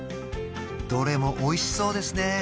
どれもおいしそうですね